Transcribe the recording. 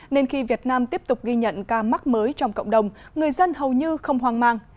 nên khi việt nam tiếp tục ghi nhận ca mắc mới trong cộng đồng người dân hầu như không hoang mang